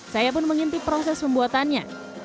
saya pun mengintip proses pembuatannya